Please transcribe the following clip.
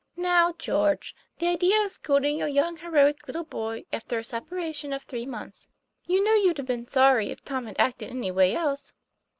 " Now, George, the idea of scolding your heroic little boy after a separation of three months! You know you'd have been sorry if Tom had acted any way else.